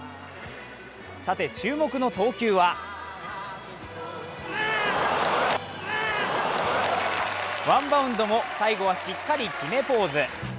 さて、注目の投球はワンバウンドも最後はしっかり決めポーズ。